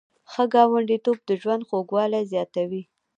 ښه ګاونډیتوب د ژوند خوږوالی زیاتوي.